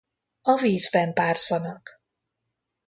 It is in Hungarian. A vízben párzanak.